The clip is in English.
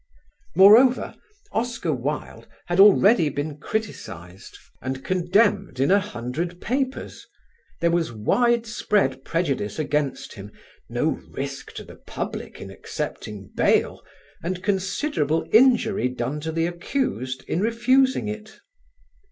Moreover, Oscar Wilde had already been criticised and condemned in a hundred papers. There was widespread prejudice against him, no risk to the public in accepting bail, and considerable injury done to the accused in refusing it.